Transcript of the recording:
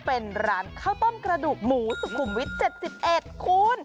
เป็นร้านข้าวต้มกระดูกหมูสุขุมวิทย์๗๑คูณ